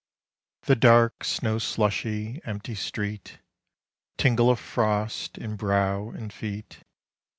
The dark, snow slushy, empty street.... Tingle of frost in brow and feet....